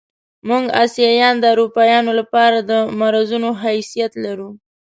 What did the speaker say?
موږ اسیایان د اروپایانو له پاره د مرضونو حیثیت لرو.